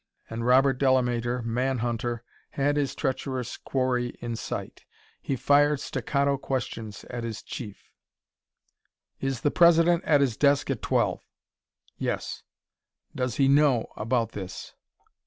And Robert Delamater, man hunter, had his treacherous quarry in sight. He fired staccato questions at his Chief. "Is the President at his desk at twelve?" "Yes." "Does he know about this?"